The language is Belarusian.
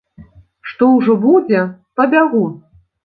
Што ўжо будзе, пабягу.